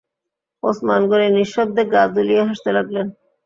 ওসমান গনি নিঃশব্দে গা দুলিয়ে হাসতে লাগলেন।